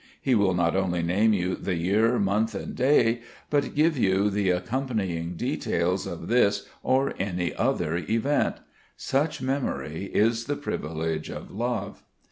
He will not only name you the year, month, and day, but give you the accompanying details of this or any other event. Such memory is the privilege of love.